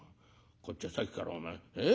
こっちはさっきからお前ええ？